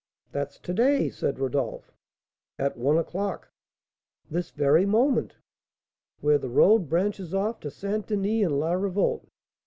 "That's to day!" said Rodolph. "At one o'clock." "This very moment!" "Where the road branches off to St. Denis and La Revolte."